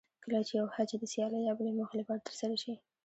کله چې یو حج د سیالۍ یا بلې موخې لپاره ترسره شي.